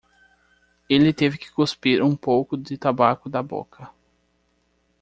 Ele teve que cuspir um pouco de tabaco da boca.